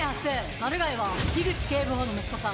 マルガイは口警部補の息子さん。